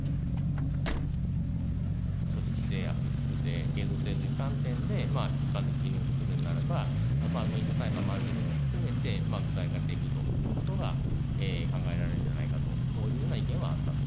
組織性、悪質性、継続性という観点で、一般的基準を作るならば、民事裁判もあるということも含めて、具体化していくということが考えられるんじゃないかというような意見はあった。